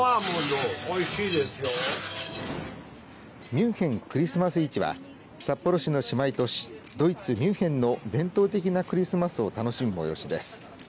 ミュンヘン・クリスマス市は札幌市の姉妹都市ドイツ、ミュンヘンの伝統的なクリスマスを楽しむ催しです。